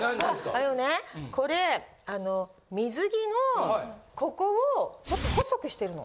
あのねこれ水着のここをちょっと細くしてるの。